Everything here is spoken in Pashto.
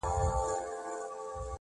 رسوي خبري چي مقام ته د لمبو په زور,